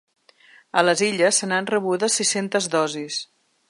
A les Illes se n’han rebudes sis-cents dosis.